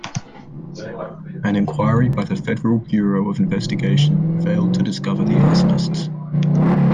An inquiry by the Federal Bureau of Investigation failed to discover the arsonists.